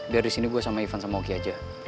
biar disini gue sama ivan sama oki aja